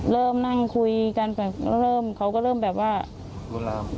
เริ่มนั่งคุยกันเริ่มเขาก็เริ่มแบบว่ารู้แล้ว